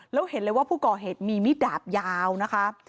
แล้วเห็นเลยว่าผู้ก่อเหตุมีมิดดาบยาวนะคะ